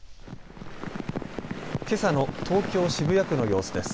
けさの東京渋谷区の様子です。